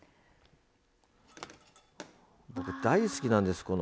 僕大好きなんです